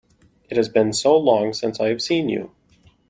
It has been so long since I have seen you!